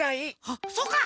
あっそっか！